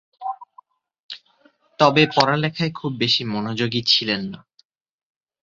তবে পড়ালেখায় খুব বেশি মনোযোগী ছিলেন না।